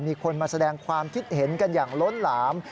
มีคนมาแสดงความคิดเห็นกันอย่างล้นหลาม